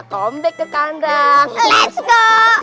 comeback ke kandang let's go